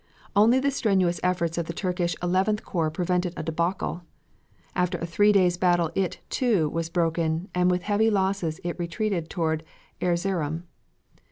Only the strenuous efforts of the Turkish Eleventh corps prevented a debacle. After a three days' battle it, too, was broken, and with heavy losses it retreated toward Erzerum.